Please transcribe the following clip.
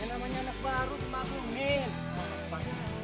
yang namanya anak baru cuma aku min